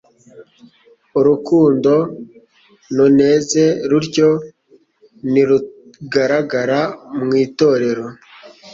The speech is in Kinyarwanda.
Urukundo nuneze rutyo nirugaragara mu itorero,